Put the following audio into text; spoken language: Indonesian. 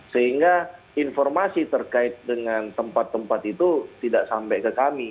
sehingga informasi terkait dengan tempat tempat itu tidak sampai ke kami